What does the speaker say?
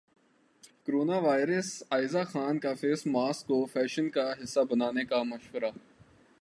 corona virus Aiza Khan کا face mask کو fashion کا حصہ بنانے کا مشورہ